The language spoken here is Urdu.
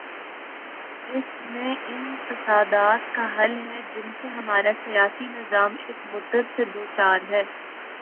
اس میں ان تضادات کا حل ہے، جن سے ہمارا سیاسی نظام ایک مدت سے دوچار ہے۔